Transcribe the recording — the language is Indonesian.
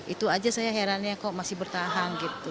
itu aja saya herannya kok masih bertahan gitu